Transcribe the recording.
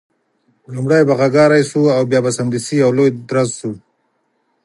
لومړی به غږهارۍ شو او بیا به سمدستي یو لوی درز شو.